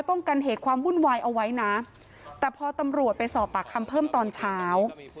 ป้องกันเหตุความวุ่นวายเอาไว้นะแต่พอตำรวจไปสอบปากคำเพิ่มตอนเช้า